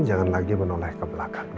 jangan lagi menoleh ke belakang